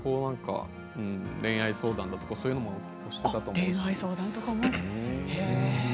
恋愛相談とかそういうのもしていたと思います。